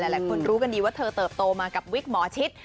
หลายคนรู้กันดีว่าเธอเติบโตมากับวิกหมอชิต